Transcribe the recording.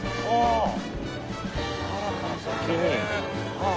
はあ。